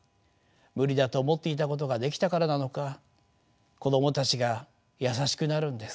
無理だと思っていたことができたからなのか子どもたちが優しくなるんです。